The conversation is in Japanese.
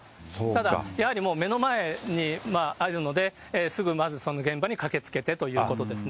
ただやはり目の前にあるので、すぐまずその現場に駆けつけてということですね。